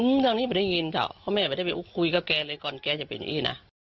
อืมทั้งนี้เป็นได้ยินเถอะเขาแม่ไม่ได้ไปอุ๊บคุยกับแกเลยก่อนแกจะเป็นอี้น่ะ